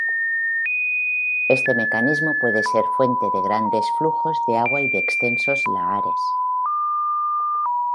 Este mecanismo puede ser fuente de grandes flujos de agua y de extensos lahares.